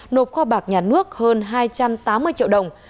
nộp kho bạc nhà nước hơn hai trăm tám mươi triệu đồng